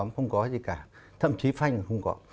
cũng không có gì cả thậm chí phanh cũng không có